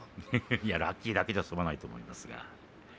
いやラッキーだけじゃ済まないと思いますが。